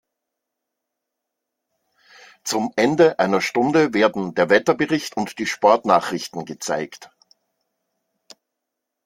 Zum Ende einer Stunde werden der Wetterbericht und die Sportnachrichten gezeigt.